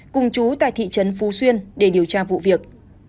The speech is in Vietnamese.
cùng chú tại thị trấn phú xuyên để điều tra vụ việc